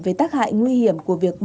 về tác hại nguy hiểm